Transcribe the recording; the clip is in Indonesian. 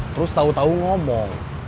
terus tau tau ngomong